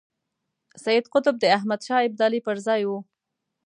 سید قطب د احمد شاه ابدالي پر ځای وو.